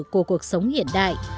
của cuộc sống hiện đại